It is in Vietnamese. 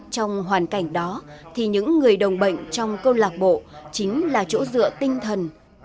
trong hoàn cảnh đó thì những người đồng bệnh trong câu lạc bộ chính là chỗ dựa tinh thần